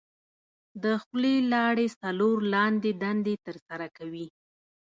د خولې لاړې څلور لاندې دندې تر سره کوي.